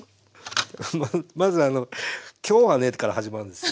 まず「今日はね」から始まるんですよ。